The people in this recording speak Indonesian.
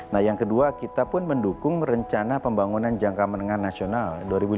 nah yang kedua kita pun mendukung rencana pembangunan jangka menengah nasional dua ribu lima belas dua ribu sembilan belas